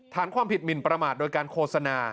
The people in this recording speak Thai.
ฐานความผิดหมินประมาทโดยการโฆษณา